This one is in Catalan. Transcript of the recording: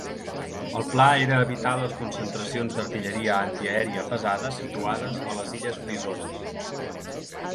El pla era evitar les concentracions d'artilleria antiaèria pesada situades a les illes Frisones.